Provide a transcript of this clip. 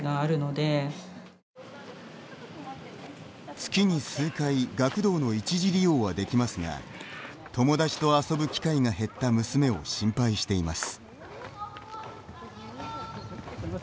月に数回学童の一時利用はできますが友達と遊ぶ機会が減った娘を心配しています。